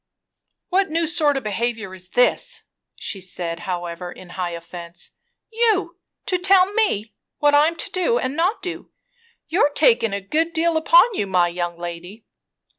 "What new sort o' behaviour is this?" she said however in high offence. "You to tell me what I'm to do and not do! You're takin' a good deal upon you, my young lady!"